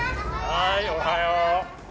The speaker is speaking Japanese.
はいおはよう。